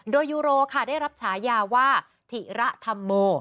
โดยยูโรค่ะได้รับฉายาว่าถิระธรรโม